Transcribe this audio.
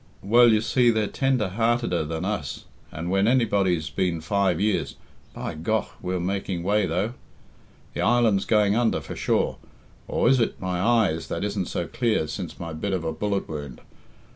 Well, you see, they're tender hearteder than us, and when anybody's been five years... Be gough, we're making way, though! The island's going under, for sure. Or is it my eyes that isn't so clear since my bit of a bullet wound!